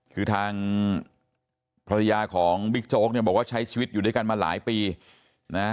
คือทางภรรยาของบิ๊กโจ๊กเนี่ยบอกว่าใช้ชีวิตอยู่ด้วยกันมาหลายปีนะ